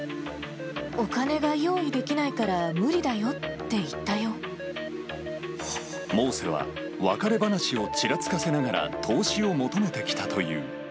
お金が用意できないから、モーセは別れ話をちらつかせながら、投資を求めてきたという。